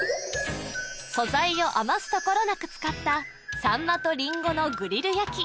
素材を余すところなく使ったさんまとりんごのグリル焼き